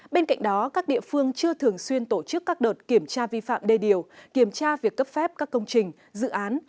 bên cạnh đó các địa phương chưa thường xuyên tổ chức các đợt kiểm tra vi phạm đê điều kiểm tra việc cấp phép các công trình dự án